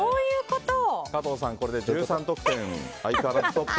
加藤さん、これで１３得点相変わらずトップ。